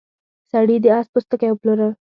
سړي د اس پوستکی وپلوره.